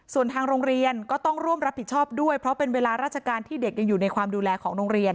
ส่วนทางโรงเรียนก็ต้องร่วมรับผิดชอบด้วยเพราะเป็นเวลาราชการที่เด็กยังอยู่ในความดูแลของโรงเรียน